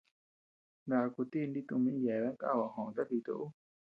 Nakuti ni tumi yeabean kaba joʼota jita ü.